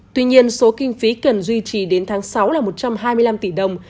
tuy nhiên số kinh phí cần duy trì đến tháng sáu là một trăm hai mươi năm tỷ đồng